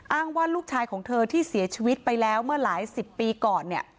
ว่าลูกชายของเธอที่เสียชีวิตไปแล้วเมื่อหลายสิบปีก่อนเนี่ย